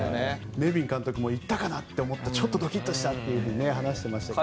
ネビン監督も行ったかなと思ってちょっとドキッとしたと話してましたけど。